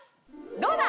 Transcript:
どうだ！